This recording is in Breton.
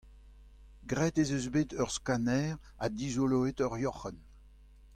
graet ez eus bet ur skanner ha dizoloet ur yoc'henn.